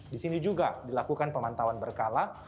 di sini juga dilakukan pemantauan berkala